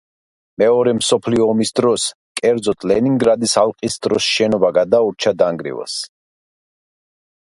მეორე მსოფლიო ომის დროს, კერძოდ ლენინგრადის ალყის დროს შენობა გადაურჩა დანგრევას.